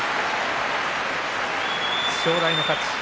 正代の勝ち。